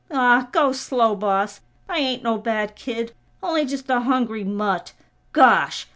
Aw! Go slow, boss! I ain't no bad kid! Only just a hungry mutt. Gosh!!